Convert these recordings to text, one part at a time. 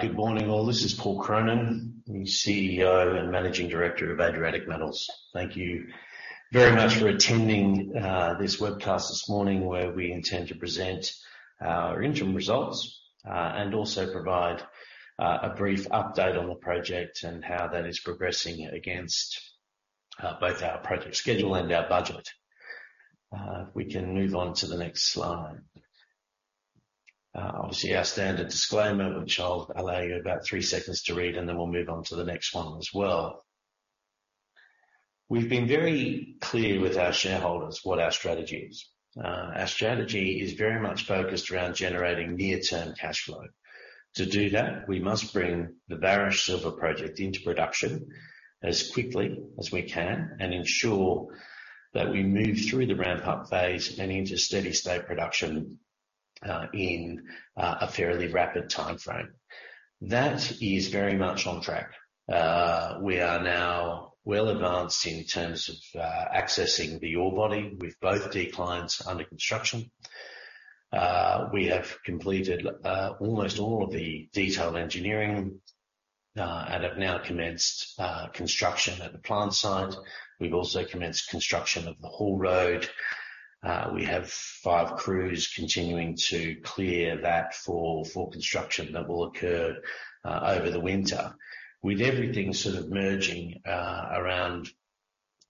Good morning, all. This is Paul Cronin, CEO and Managing Director of Adriatic Metals. Thank you very much for attending this webcast this morning, where we intend to present our interim results and also provide a brief update on the project and how that is progressing against both our project schedule and our budget. If we can move on to the next slide. Obviously our standard disclaimer, which I'll allow you about three seconds to read, and then we'll move on to the next one as well. We've been very clear with our shareholders what our strategy is. Our strategy is very much focused around generating near-term cash flow. To do that, we must bring the Vares Silver Project into production as quickly as we can and ensure that we move through the ramp-up phase and into steady state production in a fairly rapid timeframe. That is very much on track. We are now well advanced in terms of accessing the ore body with both declines under construction. We have completed almost all of the detailed engineering and have now commenced construction at the plant site. We've also commenced construction of the haul road. We have five crews continuing to clear that for construction that will occur over the winter. With everything sort of merging around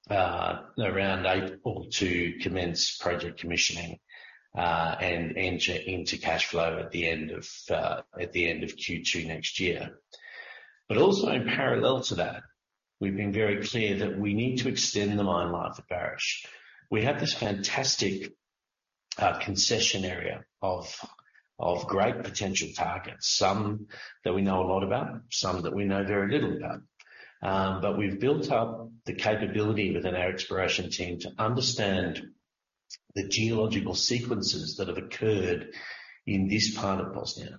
April to commence project commissioning and enter into cash flow at the end of Q2 next year. Also in parallel to that, we've been very clear that we need to extend the mine life at Vares. We have this fantastic concession area of great potential targets, some that we know a lot about, some that we know very little about. We've built up the capability within our exploration team to understand the geological sequences that have occurred in this part of Bosnia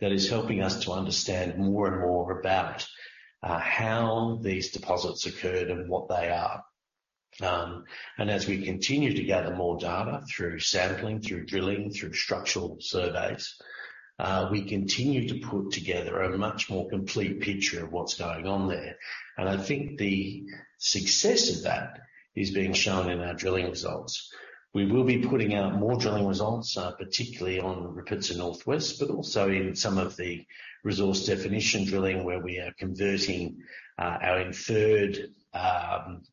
that is helping us to understand more and more about how these deposits occurred and what they are. As we continue to gather more data through sampling, through drilling, through structural surveys, we continue to put together a much more complete picture of what's going on there. I think the success of that is being shown in our drilling results. We will be putting out more drilling results, particularly on Rupice Northwest, but also in some of the resource definition drilling where we are converting our inferred resources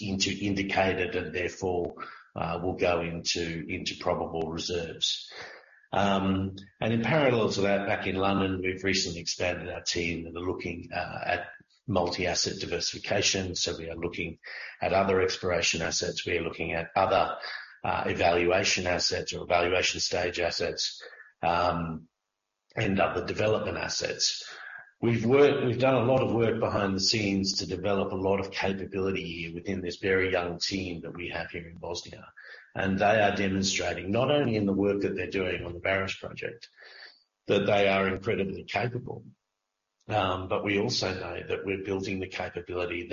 into indicated and therefore will go into probable reserves. In parallel to that, back in London, we've recently expanded our team that are looking at multi-asset diversification. We are looking at other exploration assets. We are looking at other evaluation assets or evaluation stage assets and other development assets. We've done a lot of work behind the scenes to develop a lot of capability here within this very young team that we have here in Bosnia. They are demonstrating not only in the work that they're doing on the Vares project, that they are incredibly capable. We also know that we're building the capability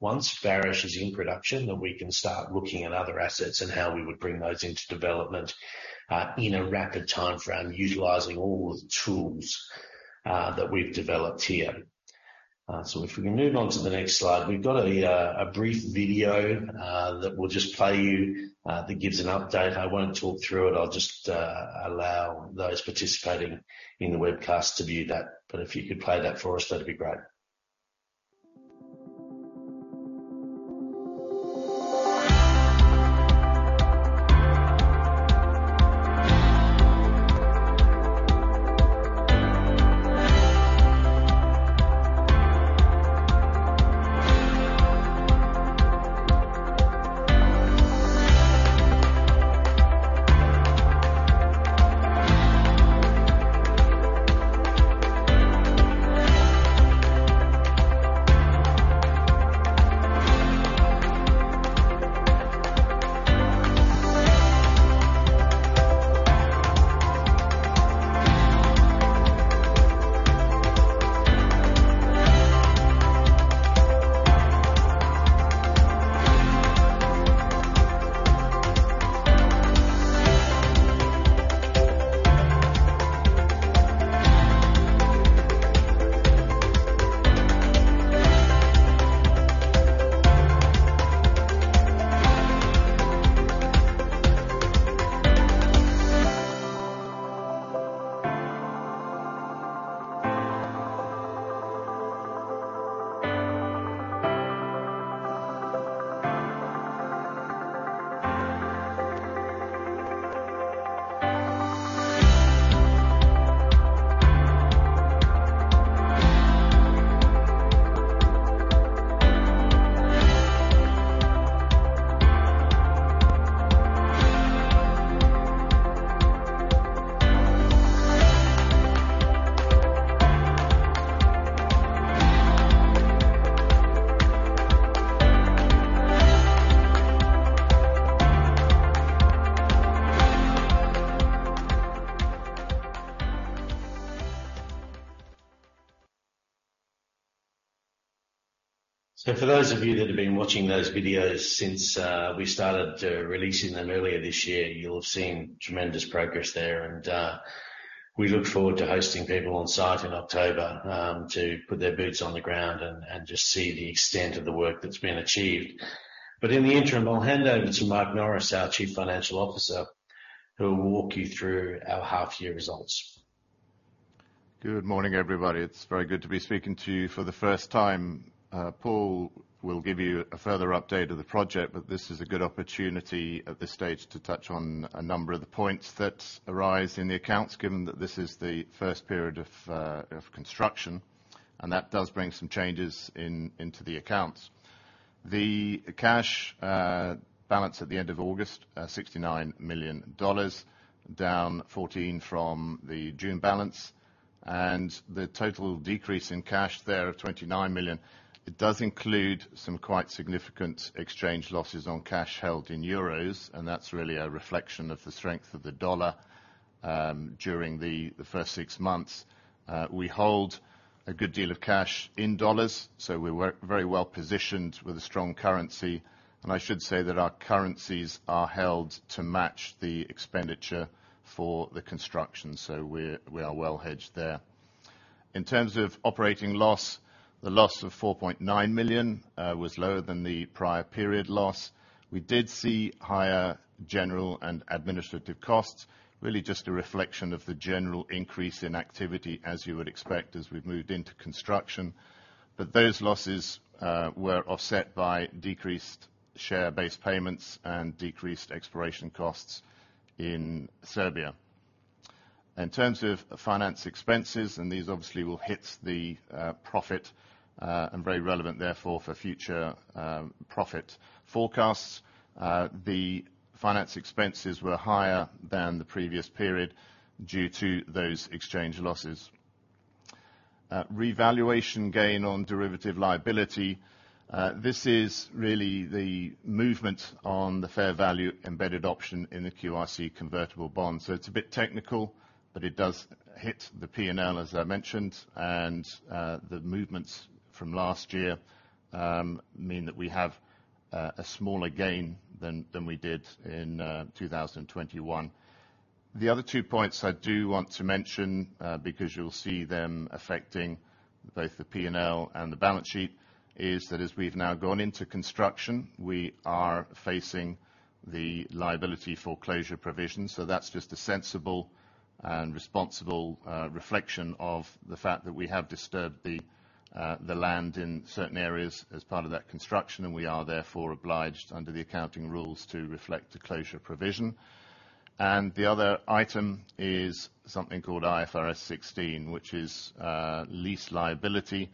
once Vares is in production, that we can start looking at other assets and how we would bring those into development, in a rapid timeframe, utilizing all of the tools that we've developed here. If we can move on to the next slide. We've got a brief video that we'll just play you that gives an update. I won't talk through it. I'll just allow those participating in the webcast to view that. If you could play that for us, that'd be great. For those of you that have been watching those videos since we started releasing them earlier this year, you'll have seen tremendous progress there and we look forward to hosting people on site in October to put their boots on the ground and just see the extent of the work that's been achieved. In the interim, I'll hand over to Mike Norris, our Chief Financial Officer, who will walk you through our half year results. Good morning, everybody. It's very good to be speaking to you for the first time. Paul will give you a further update of the project, but this is a good opportunity at this stage to touch on a number of the points that arise in the accounts, given that this is the first period of construction, and that does bring some changes into the accounts. The cash balance at the end of August, $69 million, down $14 million from the June balance. The total decrease in cash there of $29 million, it does include some quite significant exchange losses on cash held in euros, and that's really a reflection of the strength of the dollar during the first six months. We hold a good deal of cash in dollars, so we're very well-positioned with a strong currency. I should say that our currencies are held to match the expenditure for the construction. We are well hedged there. In terms of operating loss, the loss of $4.9 million was lower than the prior period loss. We did see higher general and administrative costs, really just a reflection of the general increase in activity, as you would expect, as we've moved into construction. Those losses were offset by decreased share-based payments and decreased exploration costs in Serbia. In terms of finance expenses, and these obviously will hit the profit, and very relevant therefore for future profit forecasts. The finance expenses were higher than the previous period due to those exchange losses. Revaluation gain on derivative liability. This is really the movement on the fair value embedded option in the QRC convertible bond. It's a bit technical, but it does hit the P&L, as I mentioned. The movements from last year mean that we have a smaller gain than we did in 2021. The other two points I do want to mention, because you'll see them affecting both the P&L and the balance sheet, is that as we've now gone into construction, we are facing the liability for closure provision. That's just a sensible and responsible reflection of the fact that we have disturbed the land in certain areas as part of that construction, and we are therefore obliged under the accounting rules to reflect the closure provision. The other item is something called IFRS 16, which is lease liability.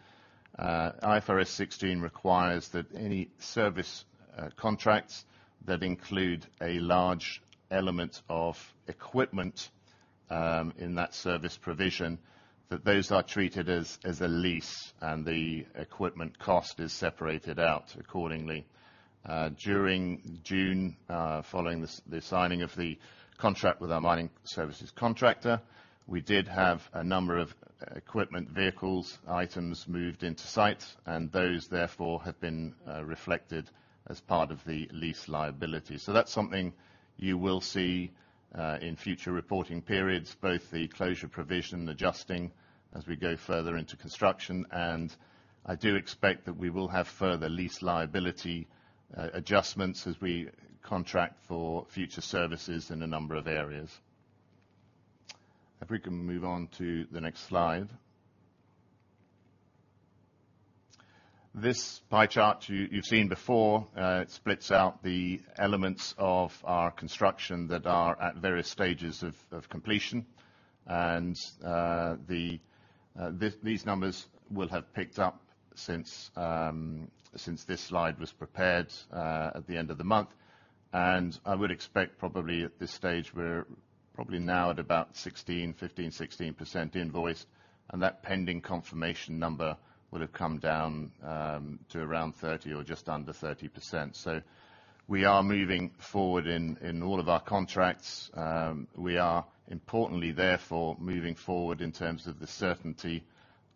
IFRS 16 requires that any service contracts that include a large element of equipment in that service provision, that those are treated as a lease, and the equipment cost is separated out accordingly. During June, following the signing of the contract with our mining services contractor, we did have a number of equipment vehicles items moved into site, and those therefore have been reflected as part of the lease liability. That's something you will see in future reporting periods, both the closure provision adjusting as we go further into construction, and I do expect that we will have further lease liability adjustments as we contract for future services in a number of areas. If we can move on to the next slide. This pie chart you've seen before. It splits out the elements of our construction that are at various stages of completion. These numbers will have picked up since this slide was prepared at the end of the month. I would expect probably at this stage, we're probably now at about 15-16% invoiced, and that pending confirmation number would have come down to around 30% or just under 30%. We are moving forward in all of our contracts. We are importantly therefore moving forward in terms of the certainty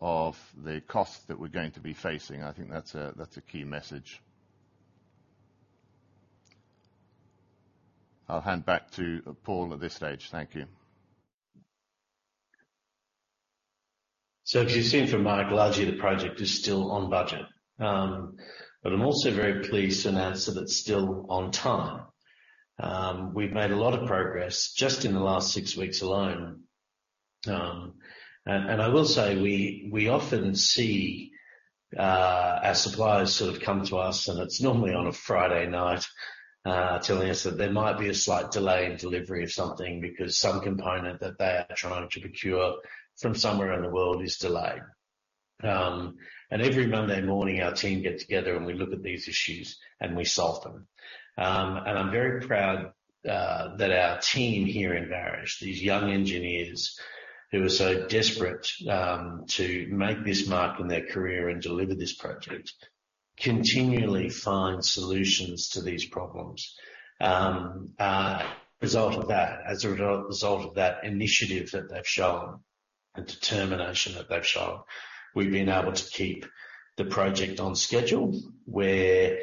of the costs that we're going to be facing. I think that's a key message. I'll hand back to Paul at this stage. Thank you. As you've seen from Mike, largely the project is still on budget. I'm also very pleased to announce that it's still on time. We've made a lot of progress just in the last six weeks alone. I will say we often see our suppliers sort of come to us, and it's normally on a Friday night, telling us that there might be a slight delay in delivery of something because some component that they are trying to procure from somewhere in the world is delayed. Every Monday morning, our team get together and we look at these issues and we solve them. I'm very proud that our team here in Vares, these young engineers who are so desperate to make this mark in their career and deliver this project, continually find solutions to these problems. As a result of that initiative that they've shown and determination that they've shown, we've been able to keep the project on schedule where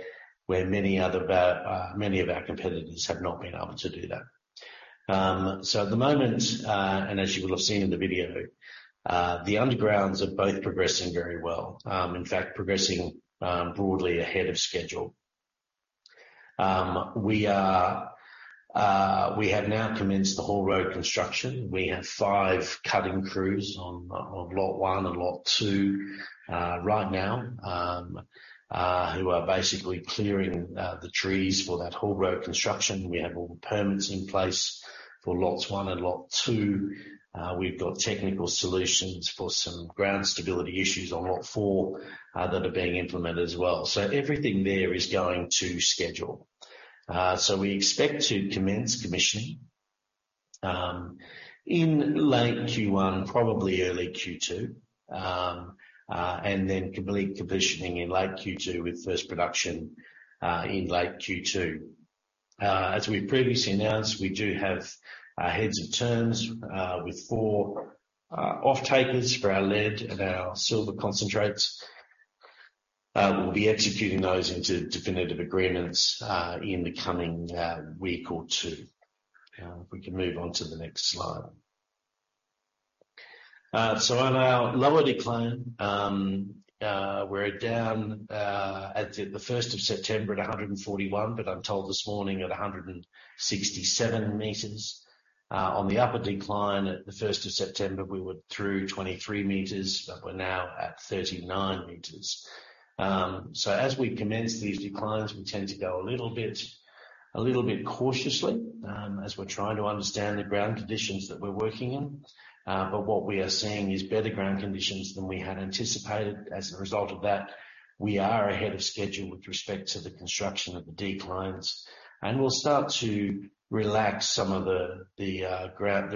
many of our competitors have not been able to do that. At the moment, as you will have seen in the video, the undergrounds are both progressing very well, in fact, progressing broadly ahead of schedule. We have now commenced the haul road construction. We have five cutting crews on lot one and lot two right now who are basically clearing the trees for that haul road construction. We have all the permits in place for lots one and lot two. We've got technical solutions for some ground stability issues on lot four that are being implemented as well. Everything there is going to schedule. We expect to commence commissioning in late Q1, probably early Q2 and then complete commissioning in late Q2 with first production in late Q2. As we've previously announced, we do have heads of terms with four off-takers for our lead and our silver concentrates. We'll be executing those into definitive agreements in the coming week or two. If we can move on to the next slide. On our lower decline, we're down at the first of September at 141, but I'm told this morning at 167 m. On the upper decline at the first of September, we were through 23 m, but we're now at 39 m. As we commence these declines, we tend to go a little bit cautiously as we're trying to understand the ground conditions that we're working in. What we are seeing is better ground conditions than we had anticipated. As a result of that, we are ahead of schedule with respect to the construction of the declines. We'll start to relax some of the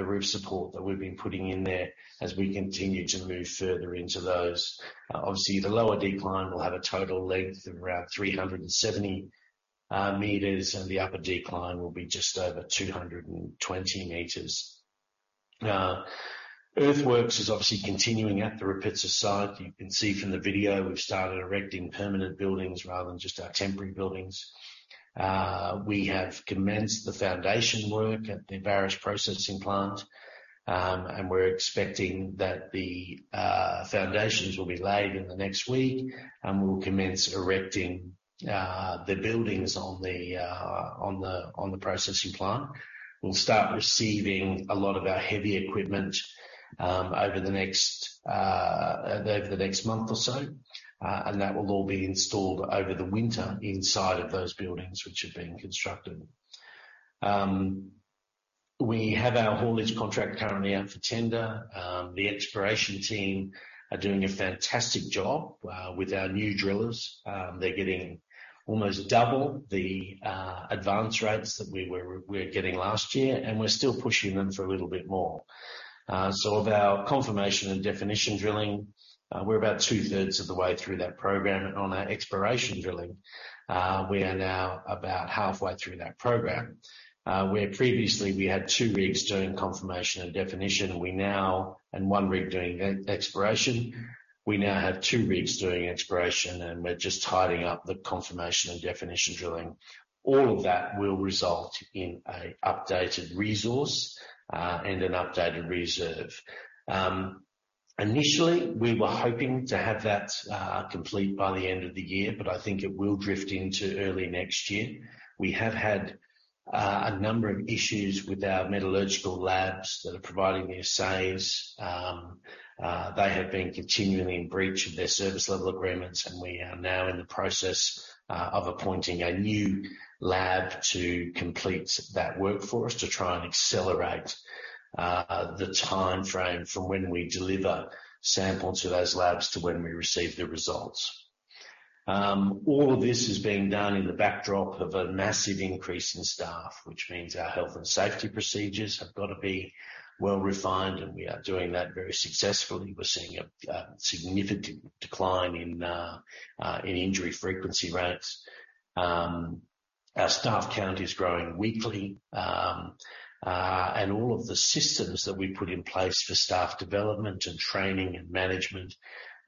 roof support that we've been putting in there as we continue to move further into those. Obviously the lower decline will have a total length of around 370 m, and the upper decline will be just over 220 m. Earthworks is obviously continuing at the Rupice site. You can see from the video we've started erecting permanent buildings rather than just our temporary buildings. We have commenced the foundation work at the Vares processing plant. We're expecting that the foundations will be laid in the next week, and we'll commence erecting the buildings on the processing plant. We'll start receiving a lot of our heavy equipment over the next month or so. That will all be installed over the winter inside of those buildings which are being constructed. We have our haulage contract currently out for tender. The exploration team are doing a fantastic job with our new drillers. They're getting almost double the advance rates that we were getting last year, and we're still pushing them for a little bit more. Of our confirmation and definition drilling, we're about 2/3 of the way through that program. On our exploration drilling, we are now about halfway through that program. Where previously we had two rigs doing confirmation and definition, and one rig doing exploration. We now have two rigs doing exploration, and we're just tidying up the confirmation and definition drilling. All of that will result in an updated resource and an updated reserve. Initially, we were hoping to have that complete by the end of the year, but I think it will drift into early next year. We have had a number of issues with our metallurgical labs that are providing the assays. They have been continually in breach of their service level agreements, and we are now in the process of appointing a new lab to complete that work for us to try and accelerate the timeframe from when we deliver samples to those labs to when we receive the results. All of this is being done in the backdrop of a massive increase in staff, which means our health and safety procedures have got to be well refined, and we are doing that very successfully. We're seeing a significant decline in injury frequency rates. Our staff count is growing weekly. All of the systems that we've put in place for staff development and training and management,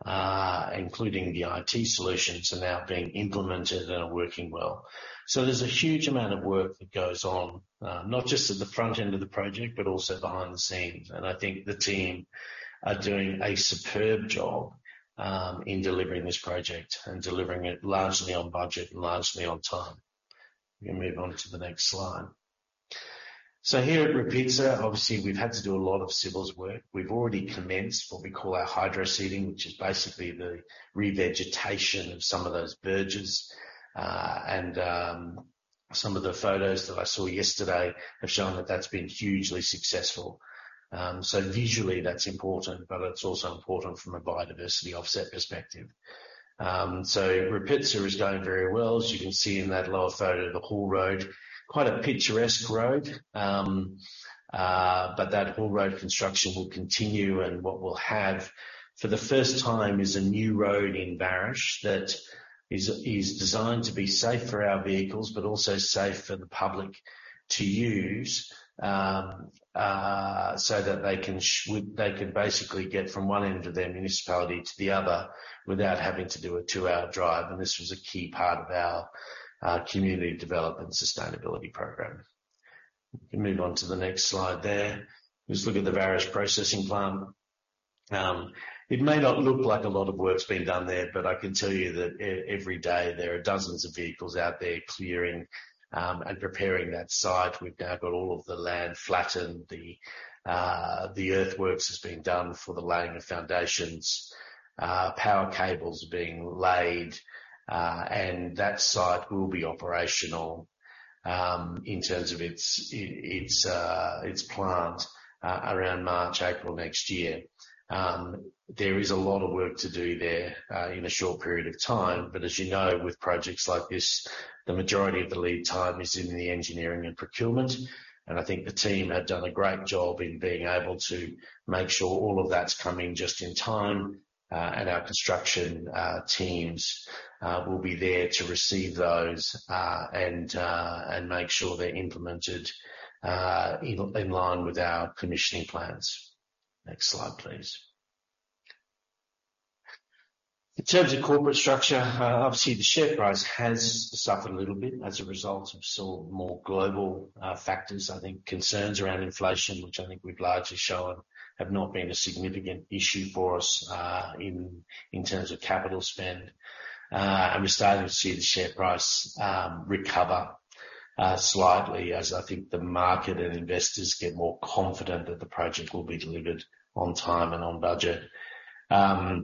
including the IT solutions, are now being implemented and are working well. There's a huge amount of work that goes on, not just at the front end of the project, but also behind the scenes. I think the team are doing a superb job in delivering this project and delivering it largely on budget and largely on time. We can move on to the next slide. Here at Rupice, obviously we've had to do a lot of civils work. We've already commenced what we call our hydroseeding, which is basically the revegetation of some of those verges. Some of the photos that I saw yesterday have shown that that's been hugely successful. Visually that's important, but it's also important from a biodiversity offset perspective. Repetsto is going very well. As you can see in that lower photo of the haul road, quite a picturesque road. That haul road construction will continue, and what we'll have for the first time is a new road in Vares that is designed to be safe for our vehicles, but also safe for the public to use, so that they can basically get from one end of their municipality to the other without having to do a two-hour drive. This was a key part of our community development sustainability program. You can move on to the next slide there. Just look at the Vares processing plant. It may not look like a lot of work's been done there, but I can tell you that every day there are dozens of vehicles out there clearing and preparing that site. We've now got all of the land flattened. The earthworks has been done for the laying of foundations. Power cables are being laid, and that site will be operational in terms of its plant around March, April next year. There is a lot of work to do there in a short period of time, but as you know, with projects like this, the majority of the lead time is in the engineering and procurement. I think the team have done a great job in being able to make sure all of that's coming just in time, and our construction teams will be there to receive those, and make sure they're implemented in line with our commissioning plans. Next slide, please. In terms of corporate structure, obviously the share price has suffered a little bit as a result of sort of more global factors. I think concerns around inflation, which I think we've largely shown have not been a significant issue for us in terms of capital spend. We're starting to see the share price recover slightly as I think the market and investors get more confident that the project will be delivered on time and on budget. Our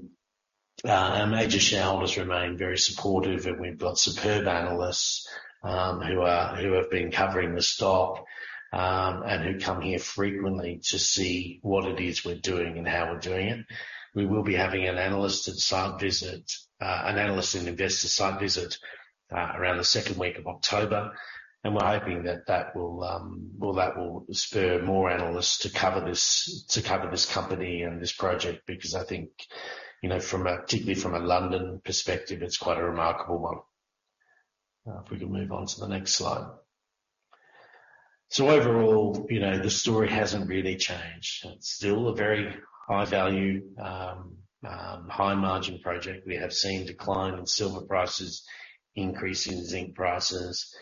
major shareholders remain very supportive, and we've got superb analysts who have been covering the stock and who come here frequently to see what it is we're doing and how we're doing it. We will be having an analyst and investor site visit around the second week of October, and we're hoping that will spur more analysts to cover this company and this project because I think, you know, from a particularly from a London perspective, it's quite a remarkable one. If we can move on to the next slide. Overall, you know, the story hasn't really changed. It's still a very high value high margin project. We have seen decline in silver prices, increase in zinc prices.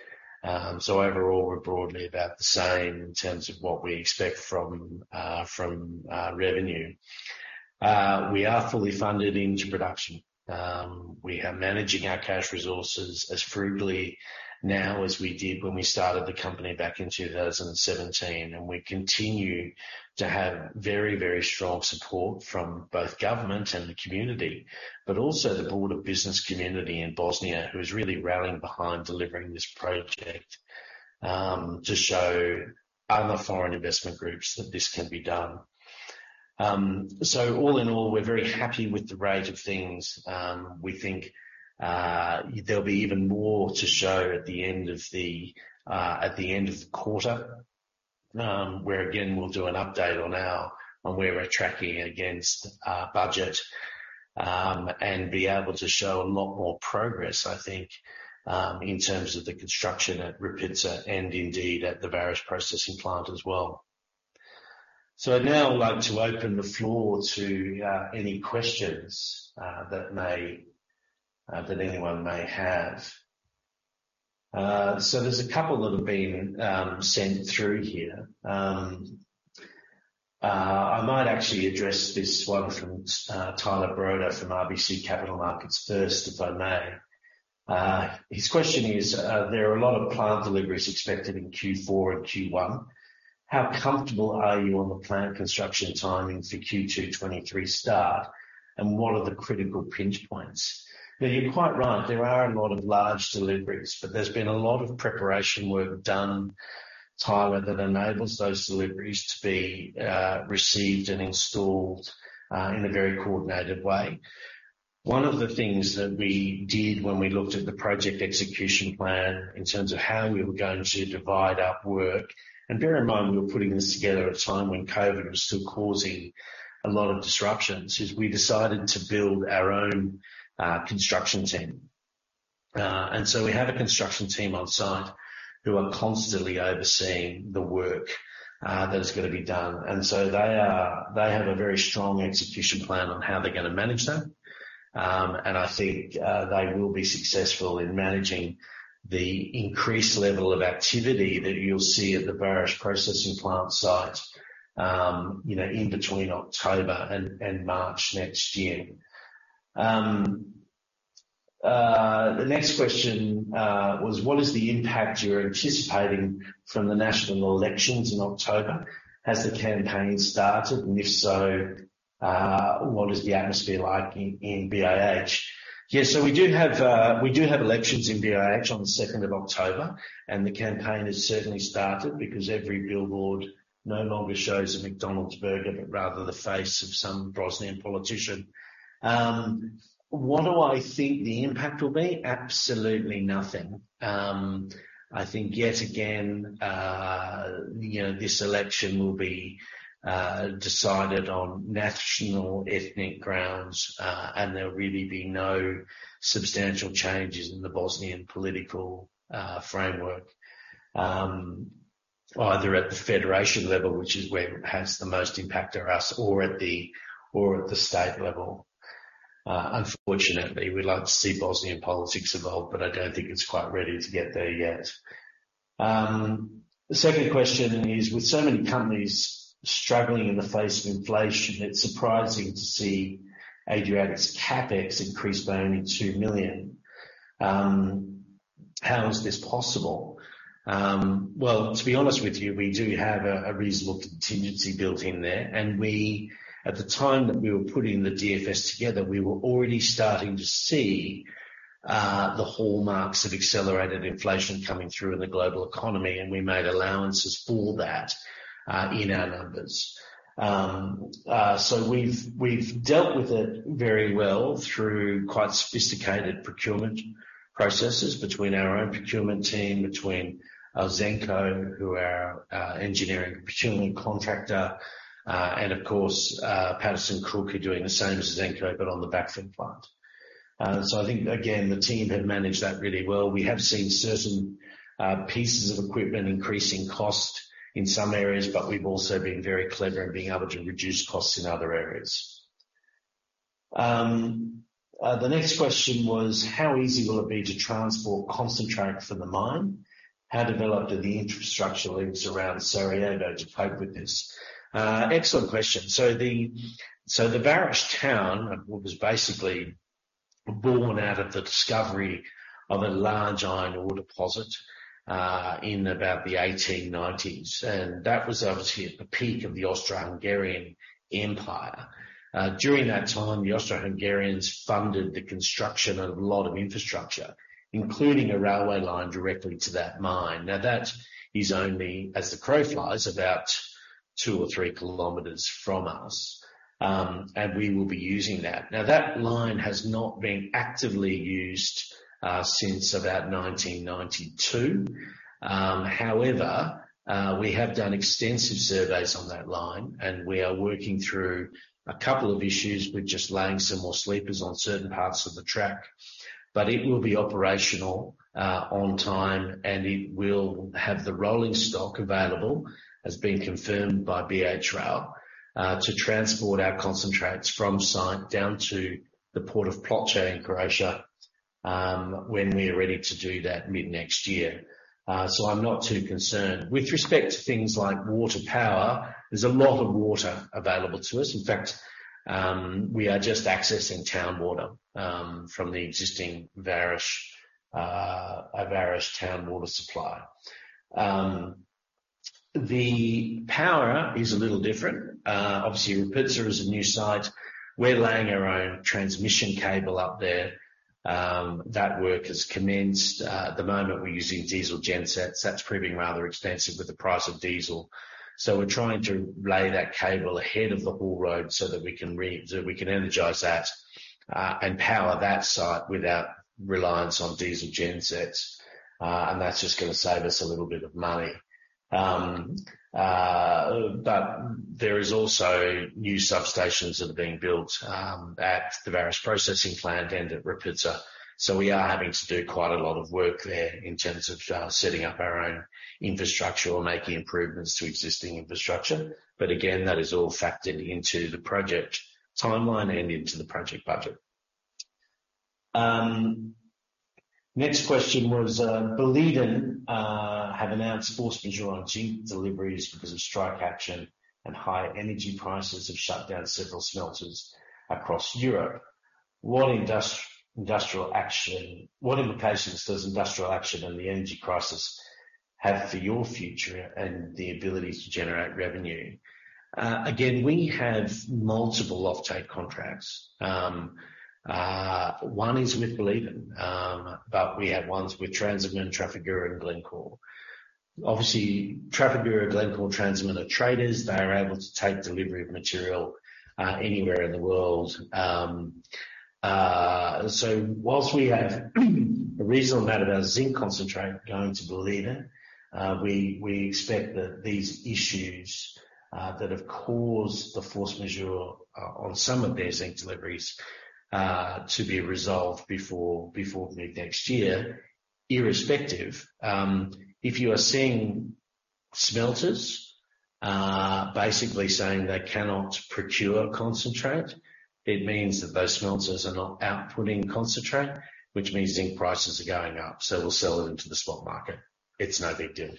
Overall we're broadly about the same in terms of what we expect from revenue. We are fully funded into production. We are managing our cash resources as frugally now as we did when we started the company back in 2017. We continue to have very, very strong support from both government and the community, but also the broad business community in Bosnia who are really rallying behind delivering this project to show other foreign investment groups that this can be done. All in all, we're very happy with the state of things. We think there'll be even more to show at the end of the quarter, where again, we'll do an update on where we're tracking against budget, and be able to show a lot more progress, I think, in terms of the construction at Rupice and indeed at the Vares processing plant as well. I'd now like to open the floor to any questions that anyone may have. There's a couple that have been sent through here. I might actually address this one from Tyler Broda from RBC Capital Markets first, if I may. His question is, there are a lot of plant deliveries expected in Q4 and Q1. How comfortable are you on the plant construction timing for Q2 2023 start, and what are the critical pinch points? Now, you're quite right. There are a lot of large deliveries. There's been a lot of preparation work done, Tyler, that enables those deliveries to be received and installed in a very coordinated way. One of the things that we did when we looked at the project execution plan in terms of how we were going to divide up work, and bear in mind, we were putting this together at a time when COVID was still causing a lot of disruptions, is we decided to build our own construction team. We have a construction team on site who are constantly overseeing the work that is gonna be done. They have a very strong execution plan on how they're gonna manage that. I think they will be successful in managing the increased level of activity that you'll see at the Vares processing plant site, you know, in between October and March next year. The next question was what is the impact you're anticipating from the national elections in October? Has the campaign started, and if so, what is the atmosphere like in BIH? Yeah. We have elections in BIH on the second of October, and the campaign has certainly started because every billboard no longer shows a McDonald's burger, but rather the face of some Bosnian politician. What do I think the impact will be? Absolutely nothing. I think yet again, you know, this election will be decided on national ethnic grounds, and there'll really be no substantial changes in the Bosnian political framework, either at the federation level, which is where it has the most impact to us or at the state level. Unfortunately, we'd love to see Bosnian politics evolve, but I don't think it's quite ready to get there yet. The second question is: With so many companies struggling in the face of inflation, it's surprising to see Adriatic's CapEx increase by only $2 million. How is this possible? Well, to be honest with you, we do have a reasonable contingency built in there. At the time that we were putting the DFS together, we were already starting to see the hallmarks of accelerated inflation coming through in the global economy, and we made allowances for that in our numbers. We've dealt with it very well through quite sophisticated procurement processes between our own procurement team, between Ausenco, who are our engineering procurement contractor, and of course Paterson & Cooke, who are doing the same as Ausenco, but on the backfill plant. I think again, the team have managed that really well. We have seen certain pieces of equipment increasing cost in some areas, but we've also been very clever in being able to reduce costs in other areas. The next question was, how easy will it be to transport concentrate from the mine? How developed are the infrastructure links around Sarajevo to cope with this? Excellent question. The Vares town was basically born out of the discovery of a large iron ore deposit in about the 1890s, and that was obviously at the peak of the Austro-Hungarian Empire. During that time, the Austro-Hungarians funded the construction of a lot of infrastructure, including a railway line directly to that mine. Now, that is only, as the crow flies, about 2 km or 3 km from us, and we will be using that. Now, that line has not been actively used since about 1992. However, we have done extensive surveys on that line, and we are working through a couple of issues with just laying some more sleepers on certain parts of the track. It will be operational on time, and it will have the rolling stock available, as being confirmed by ŽFBiH, to transport our concentrates from site down to the port of Ploče in Croatia, when we are ready to do that mid-next year. I'm not too concerned. With respect to things like water power, there's a lot of water available to us. In fact, we are just accessing town water from the existing Vares town water supply. The power is a little different. Obviously, Rupice is a new site. We're laying our own transmission cable up there. That work has commenced. At the moment, we're using diesel gen sets. That's proving rather expensive with the price of diesel. We're trying to lay that cable ahead of the haul road so that we can energize that and power that site without reliance on diesel gen sets. That's just gonna save us a little bit of money. There is also new substations that are being built at the Vares processing plant and at Rupice. We are having to do quite a lot of work there in terms of setting up our own infrastructure or making improvements to existing infrastructure. That is all factored into the project timeline and into the project budget. Next question was: Nyrstar have announced force majeure on zinc deliveries because of strike action and high energy prices have shut down several smelters across Europe. What implications does industrial action and the energy crisis have for your future and the ability to generate revenue? Again, we have multiple off-take contracts. One is with Nyrstar, but we have ones with Transamine, Trafigura, and Glencore. Obviously, Trafigura, Glencore, Transamine are traders. They are able to take delivery of material anywhere in the world. Whilst we have a reasonable amount of our zinc concentrate going to Nyrstar, we expect that these issues that have caused the force majeure on some of their zinc deliveries to be resolved before mid-next year. Irrespective, if you are seeing smelters basically saying they cannot procure concentrate, it means that those smelters are not outputting concentrate, which means zinc prices are going up, so we'll sell them to the spot market. It's no big deal.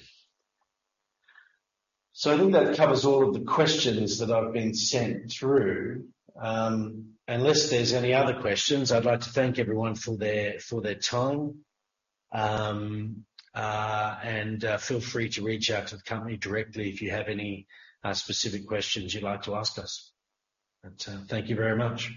I think that covers all of the questions that I've been sent through. Unless there's any other questions, I'd like to thank everyone for their time. Feel free to reach out to the company directly if you have any specific questions you'd like to ask us. Thank you very much.